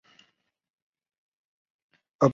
叶纸全缘或波状缘。